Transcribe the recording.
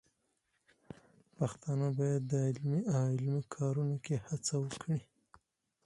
پښتانه بايد د علمي او عملي کارونو کې هڅه وکړي.